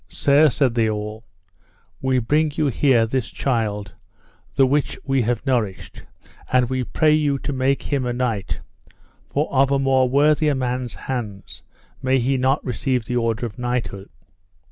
Sir, said they all, we bring you here this child the which we have nourished, and we pray you to make him a knight, for of a more worthier man's hand may he not receive the order of knighthood.